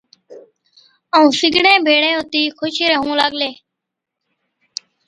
ائُون سِگڙين ڀيڙين هُتِي خُوش ريهُون لاگلين۔